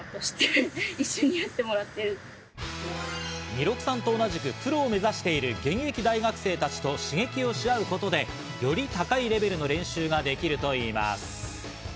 弥勒さんと同じくプロを目指している現役大学生たちと刺激をし合うことでより高いレベルの練習ができるといいます。